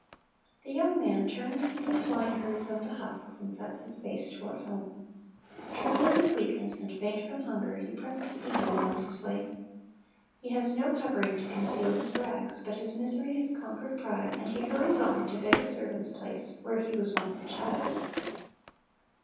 The young man turns from tlie swine herds and the husks, and sets his face toward home. Trembling with weakness, and faint from hunger, he presses eagerly on his JJer. 17:5, 6 2 Matt. 5:45 =• Rom. 2:4 ^Jer. 31:3 ''Lost, and Is Found" 203 way. He has no covering to conceal his rags; but his miser}' has conquered pride, and he hurries on to beg a servant's place where he was once a child.